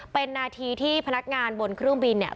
เป็นนาทีที่พนักงานบนเครื่องบินเนี่ย